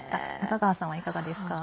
中川さんはいかがですか？